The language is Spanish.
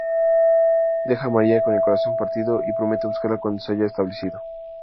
Deja a María con el corazón partido y promete buscarla cuando se haya establecido.